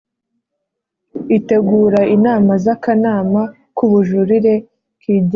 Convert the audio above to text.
itegura inama z Akanama k Ubujurire kigenga